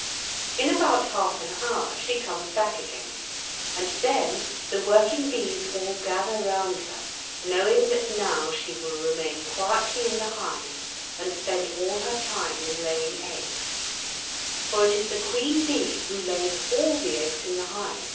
In about half an hour she comes back again, and then the working bees all gather round her, knowing that now she will remain quietly in the hive and spend all her time in laying eggs; for it is the queen bee who lays all the eggs in the hive.